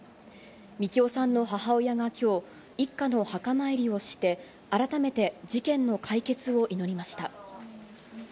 みきおさんの母親が今日、一家の墓参りをして改めて事件の解決を祈りました。